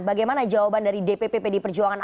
bagaimana jawaban dari dpp pdi perjuangan